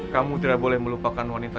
kamu tidak boleh melupakan wanita